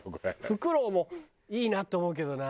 フクロウもいいなって思うけどな。